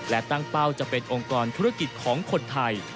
และตั้งเป้าจะเป็นองค์กรธุรกิจของคนไทย